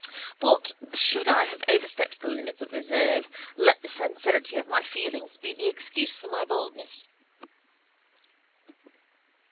But, should I have overstepped the limits of reserve let the sincerity of my feelings be the excuse for my boldness.